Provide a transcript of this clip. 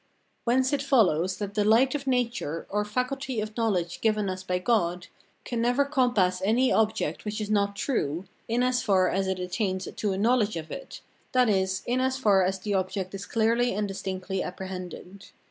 Whence it follows, that the light of nature, or faculty of knowledge given us by God, can never compass any object which is not true, in as far as it attains to a knowledge of it, that is, in as far as the object is clearly and distinctly apprehended.